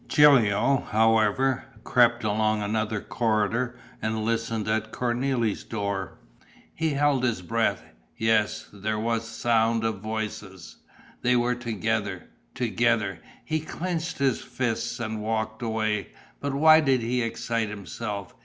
Gilio, however, crept along another corridor and listened at Cornélie's door. He held his breath.... Yes, there was a sound of voices. They were together! Together! He clenched his fists and walked away. But why did he excite himself?